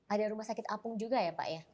ada rumah sakit apung juga ya pak ya